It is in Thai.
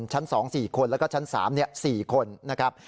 ชั้น๒๔คนแล้วก็ชั้น๓๔คนนะครับ